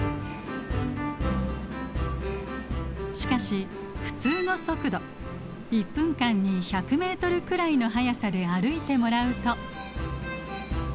しかし普通の速度１分間に１００ｍくらいの速さで歩いてもらうと。